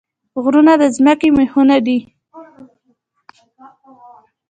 غرونه د ځمکې میخونه دي